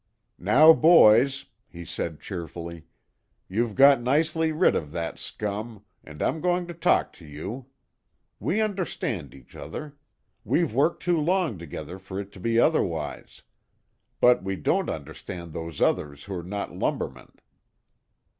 "Now, boys," he said cheerfully, "you've got nicely rid of that scum, and I'm going to talk to you. We understand each other. We've worked too long together for it to be otherwise. But we don't understand those others who're not lumbermen.